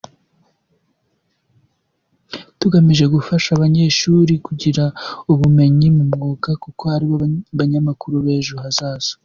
Tugamije gufasha abanyeshuri kugira ubumenyi mu mwuga kuko aribo banyamakuru b’ejo hazaza.